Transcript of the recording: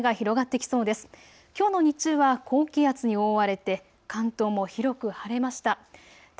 きょうの日中は高気圧に覆われて関東も広く晴れました。